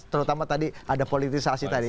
terutama tadi ada politisasi tadi